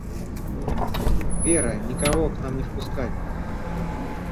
Вера, никого к нам не впускать!